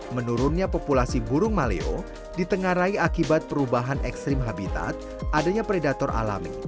menurunnya populasi burung maleo ditengarai akibat perubahan ekstrim habitat adanya predator alami